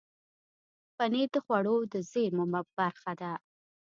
پنېر د خوړو د زېرمو برخه ده.